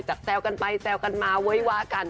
แซวกันไปแซวกันมาเว้ยวะกัน